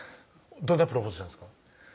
どんなプロポーズしたんですか？